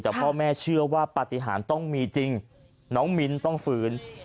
แต่พ่อแม่เชื่อว่าปฏิหารต้องมีจริงน้องมิ้นต้องฝืน